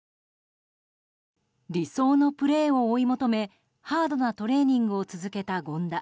理想のプレーを追い求めハードなトレーニングを続けた権田。